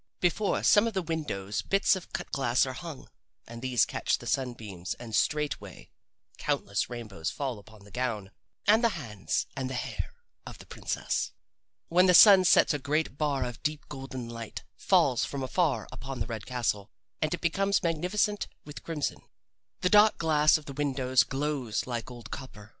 Before some of the windows bits of cut glass are hung, and these catch the sunbeams and straightway countless rainbows fall upon the gown and the hands and the hair of the princess. When the sun sets a great bar of deep golden light falls from afar upon the red castle, and it becomes magnificent with crimson. The dark glass of the windows glows like old copper.